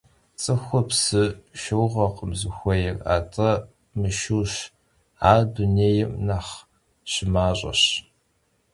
Ts'ıxur psı şşıuğekhım zıxuêyr, at'e mışşıuş, ar dunêym nexh şımaş'eş.